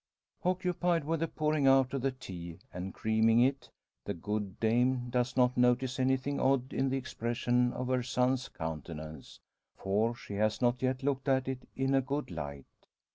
Occupied with pouring out the tea, and creaming it, the good dame does not notice anything odd in the expression of her son's countenance; for she has not yet looked at it, in a good light.